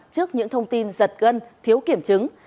trước những thông tin giật gân thiếu kiểm chứng